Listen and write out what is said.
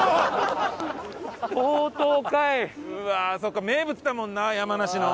うわーそっか名物だもんな山梨の。